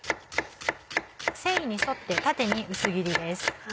繊維に沿って縦に薄切りです。